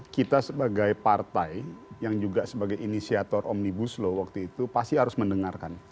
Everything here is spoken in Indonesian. kita sebagai partai yang juga sebagai inisiator omnibus law waktu itu pasti harus mendengarkan